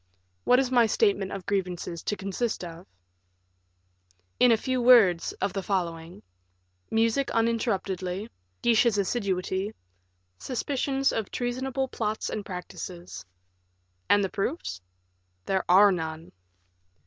"What is my statement of grievances to consist of?" "In a few words, of the following: music uninterruptedly; Guiche's assiduity; suspicions of treasonable plots and practices." "And the proofs?" "There are none."